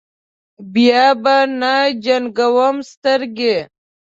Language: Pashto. بیا به نه جنګوم سترګې.